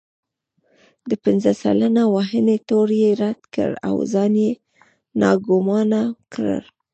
د پنځه سلنه وهنې تور يې رد کړ او ځان يې ناګومانه کړ.